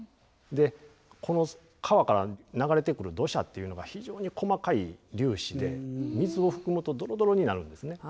この川から流れてくる土砂っていうのが非常に細かい粒子で水を含むとドロドロになるんですね。